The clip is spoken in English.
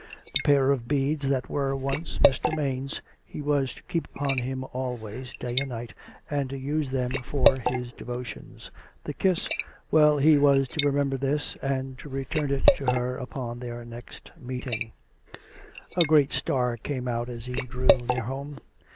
The pair of beads that were once Mr. Maine's, he was to keep upon him always, day and night, and to use them for his devotions. The kiss — well, he was to remember this, and to return it to her upon tiieir next meeting. A great star came out as he drew near home.